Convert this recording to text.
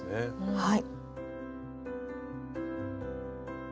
はい。